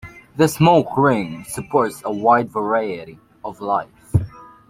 The Smoke Ring supports a wide variety of life.